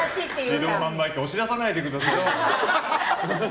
自動販売機押し出さないで下さいよ。